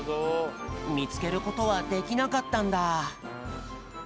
みつけることはできなかったんだ。